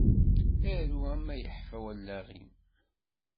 Aru arma yeḥfa wallaɣ-am.